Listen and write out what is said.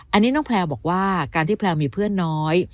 อันนี้น้องแพลวบอกว่าการที่แพลวมีเพื่อนน้อย